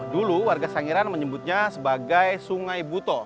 dulu warga sangiran menyebutnya sebagai sungai buto